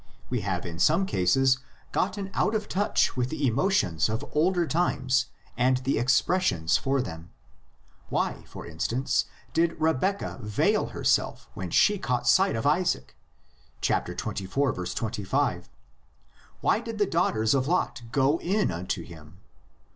We have in some cases got ten out of touch with the emotions of older times and the expressions for them. Why, for instance, did Rebeccah veil herself when she caught sight of LITERARY FORM OF THE LEGENDS. 63 Isaac? (xxiv. 25.) Why did the daughters of Lot go in unto him?